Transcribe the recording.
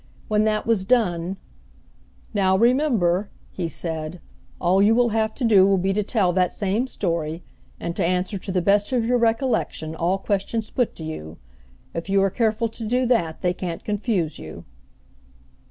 When that was done, "Now remember," he said, "all you will have to do will be to tell that same story, and to answer to the best of your recollection all questions put to you. If you are careful to do that they can't confuse you."